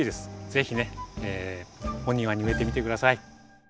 是非ねお庭に植えてみて下さい。